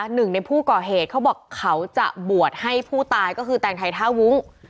หนึ่งในผู้ก่อเหตุเขาบอกเขาจะบวชให้ผู้ตายก็คือแตงไทยท่าวุ้ง